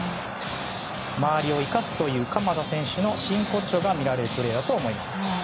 周りを生かすという鎌田選手の真骨頂が見られるプレーだと思います。